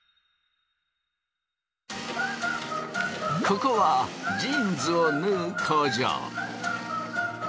ここはジーンズを縫う工場。